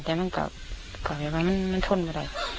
แต่มันกลับไปมันทนไปได้